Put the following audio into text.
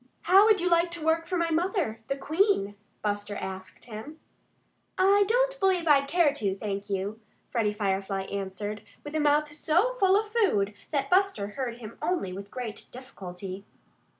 "How would you like to work for my mother, the Queen?" Buster asked him. "I don't believe I'd care to, thank you," Freddie Firefly answered, with a mouth so full of food that Buster heard him only with great difficulty.